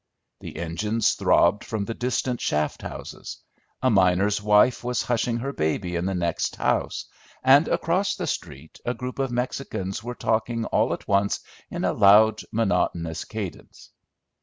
The engines throbbed from the distant shaft houses. A miner's wife was hushing her baby in the next house, and across the street a group of Mexicans were talking all at once in a loud, monotonous cadence.